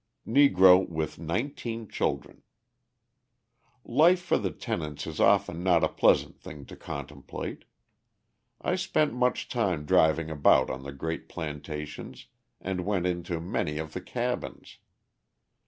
Negro with Nineteen Children Life for the tenants is often not a pleasant thing to contemplate. I spent much time driving about on the great plantations and went into many of the cabins.